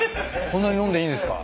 こんなに飲んでいいんですか？